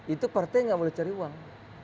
itu partai nggak boleh cari uang